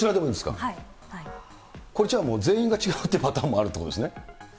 それじゃあもう全員が違うっていうパターンもあるってことですね。